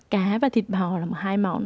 cá và thịt bò là hai món